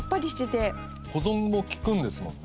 保存も利くんですもんね。